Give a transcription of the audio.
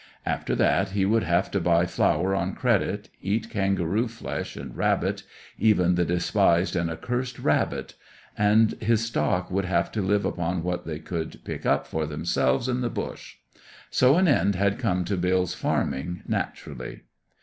After that, he would have to buy flour on credit, eat kangaroo flesh and rabbit even the despised and accursed rabbit and his stock would have to live upon what they could pick up for themselves in the bush. So an end had come to Bill's farming, naturally.